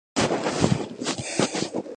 სავარაუდოდ, თარიღდება გვიანი შუა საუკუნეებით.